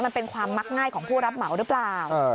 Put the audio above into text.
มันเป็นความมักง่ายของผู้รับเหมาหรือเปล่า